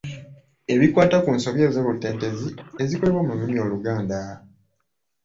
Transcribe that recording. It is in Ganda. Ebikwata ku nsobi ez'olutentezi ezikolebwa mu lulimi Oluganda.